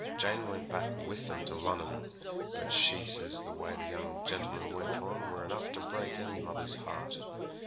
Jane went back with them to Lunnon, but she says the way the young gentleman went on were enough to break any mother's heart.